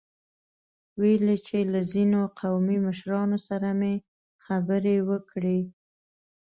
ويل يې چې له ځينو قومي مشرانو سره مې خبرې وکړې.